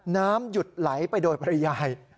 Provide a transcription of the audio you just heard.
น้ำหยุดไหลไปโดยภรรยา